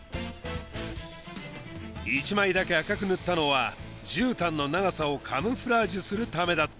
１枚だけ赤く塗ったのはじゅうたんの長さをカムフラージュするためだった